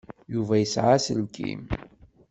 Yuba yesɛa aselkim?